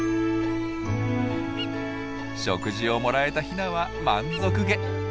食事をもらえたヒナは満足げ。